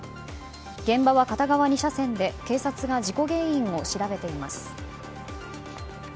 現場は片側２車線で警察が事故原因を調べています。